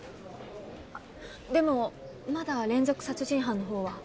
あっでもまだ連続殺人犯のほうは。